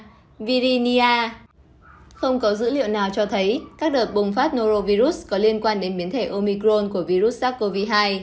tuy nhiên không có dữ liệu nào cho thấy các đợt bùng phát norovirus có liên quan đến biến thể omicron của virus sars cov hai